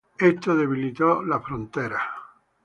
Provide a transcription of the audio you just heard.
Esto debilitó las fronteras.